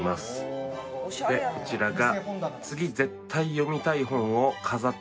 でこちらが。